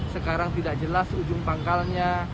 sekarang tidak jelas ujung pangkalnya